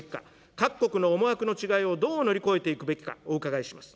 各国の思惑の違いをどう乗り越えていくべきか、お伺いします。